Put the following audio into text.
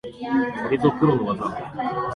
これぞプロの技